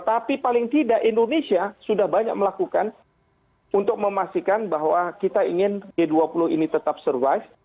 tapi paling tidak indonesia sudah banyak melakukan untuk memastikan bahwa kita ingin g dua puluh ini tetap survive